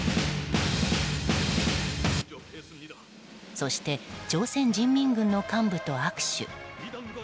そして、朝鮮人民軍の幹部と悪手。